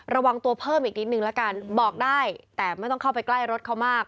ระวังตัวเพิ่มอีกนิดนึงละกันบอกได้แต่ไม่ต้องเข้าไปใกล้รถเขามาก